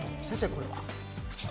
先生、これは。